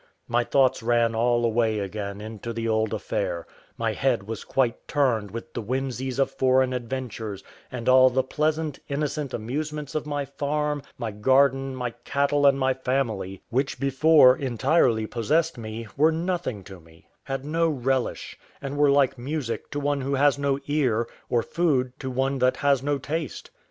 My thoughts ran all away again into the old affair; my head was quite turned with the whimsies of foreign adventures; and all the pleasant, innocent amusements of my farm, my garden, my cattle, and my family, which before entirely possessed me, were nothing to me, had no relish, and were like music to one that has no ear, or food to one that has no taste.